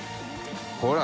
ほら！